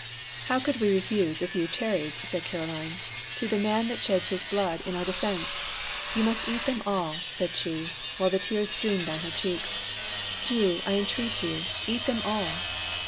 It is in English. "How could we refuse a few cherries," said Caroline, "to the man that sheds his blood in our defence? You must eat them all," said she, while the tears streamed down her cheeks. "Do, I entreat you! Eat them all."